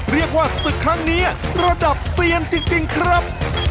เรียกว่าศึกครั้งนี้ระดับเซียนจริงครับ